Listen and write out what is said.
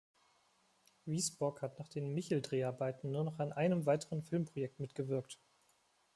Wisborg hat nach den Michel-Dreharbeiten nur noch an einem weiteren Filmprojekt mitgewirkt.